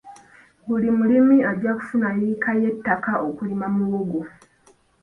Buli mulimi ajja kufuna yiika y'ettaka okulima muwogo.